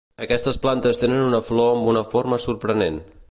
Aquestes plantes tenen una flor amb una forma sorprenent.